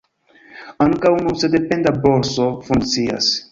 Ankaŭ nun sendependa borso funkcias.